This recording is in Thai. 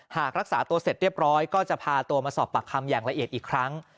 หากรักษาตัวเสร็จเรียบร้อยก็จะพาตัวมาสอบปากคำอย่างละเอียดอีกครั้ง